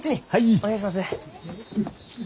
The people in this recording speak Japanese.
お願いします。